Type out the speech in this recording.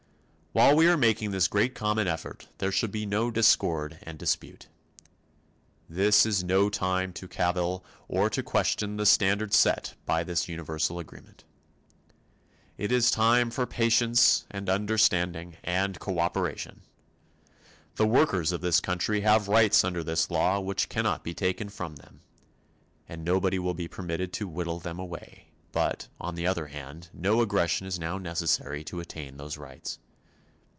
While we are making this great common effort there should be no discord and dispute. This is no time to cavil or to question the standard set by this universal agreement. It is time for patience and understanding and cooperation. The workers of this country have rights under this law which cannot be taken from them, and nobody will be permitted to whittle them away, but, on the other hand, no aggression is now necessary to attain those rights.